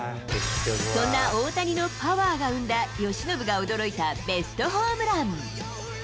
そんな大谷のパワーが生んだ由伸が驚いたベストホームラン。